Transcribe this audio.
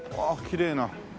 きれいな。